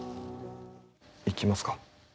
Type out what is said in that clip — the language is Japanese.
行きますか？